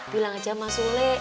bilang aja sama sule